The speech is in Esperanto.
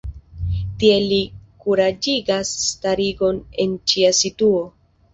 Tiel li kuraĝigas starigon en ĉia situo.